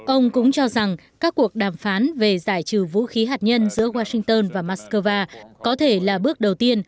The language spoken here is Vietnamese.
ông cũng cho rằng các cuộc đàm phán về giải trừ vũ khí hạt nhân giữa washington và moscow có thể là bước đầu tiên